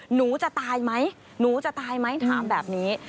หนูจะตายไหมหนูจะตายไหมถามแบบนี้